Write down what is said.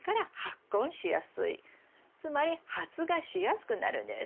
つまり発芽しやすくなるんです。